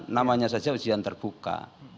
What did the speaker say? namanya saja ujian terbuka